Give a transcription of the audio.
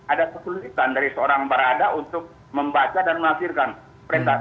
ada kesulitan dari seorang barada untuk membaca dan menghasilkan perintah